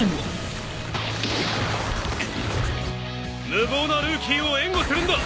無謀なルーキーを援護するんだ！